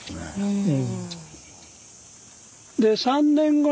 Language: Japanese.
うん。